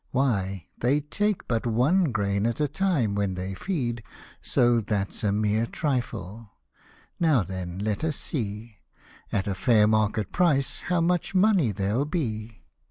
Why they take but one grain at a time when they feed, So that's a mere trifle : now then, let us see, At a fair market price, how much money there'll be